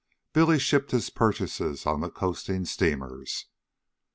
Billy shipped his purchases on the coasting steamers.